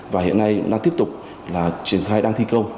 và hiện nay đang tiếp tục triển khai đang thi công